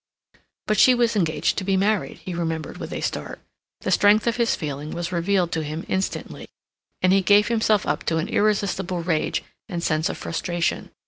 But she was engaged to be married, he remembered with a start. The strength of his feeling was revealed to him instantly, and he gave himself up to an irresistible rage and sense of frustration.